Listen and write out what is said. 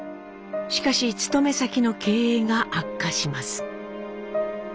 しかし勤め先の経営が悪化します。